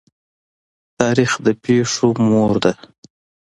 تاریخ د پېښو مادر دی.